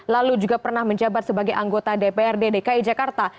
lalu juga pernah menjabat sebagai anggota dprd dki jakarta